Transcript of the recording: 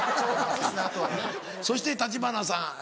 そして橘さん